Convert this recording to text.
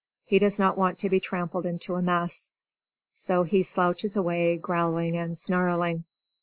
He does not want to be trampled into a mess. So he slouches away, growling and snarling.